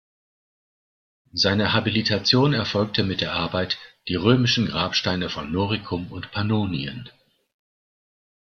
Seine Habilitation erfolgte mit der Arbeit "Die römischen Grabsteine von Noricum und Pannonien".